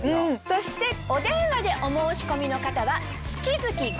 そしてお電話でお申し込みの方は。